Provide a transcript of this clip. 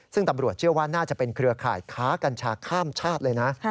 ซึ่งตำรวจเชื่อว่าน่าจะเป็นเครือข่ายค้ากัญชาข้ามชาติเลยนะ